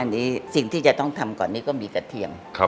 อันนี้สิ่งที่จะต้องทำก่อนนี้ก็มีกระเทียม